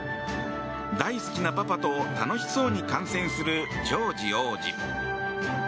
大好きなパパと楽しそうに観戦するジョージ王子。